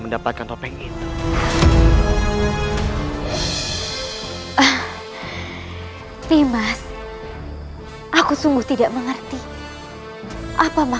hanya segitu saja kemampuanmu